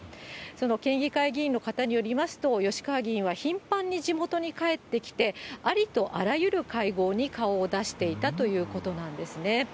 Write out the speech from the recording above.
その県議会議員の方によりますと、吉川議員は頻繁に地元に帰ってきて、ありとあらゆる会合に顔を出していたということなんですね。